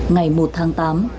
ngày một tháng tám